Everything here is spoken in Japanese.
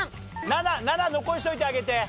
７７残しといてあげて。